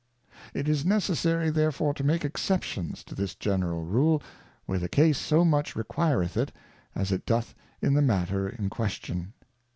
It is necessary thei efore to make Exceptions to this General Rule, where the Case so much requireth it, as it doth in the matter in question.